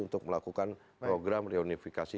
untuk melakukan program reunifikasi